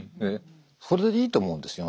それでいいと思うんですよ